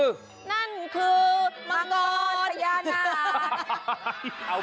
นั่นคือมังกรพญานาค